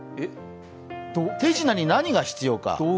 手品に何が必要か。